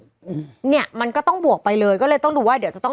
อืมเนี้ยมันก็ต้องบวกไปเลยก็เลยต้องดูว่าเดี๋ยวจะต้อง